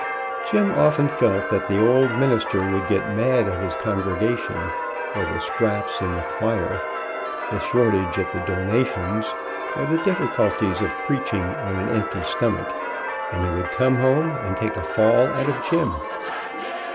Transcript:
Jim often felt that the old minister would get mad at his congregation, or the scraps in the choir, the shortage at the donations, or the difficul ties of preaching on an empty stomach, and he would come home and take a fall out of Jim.